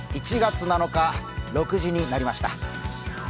１月７日、６時になりました。